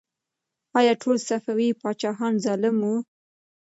آیا ټول صفوي پاچاهان ظالم وو؟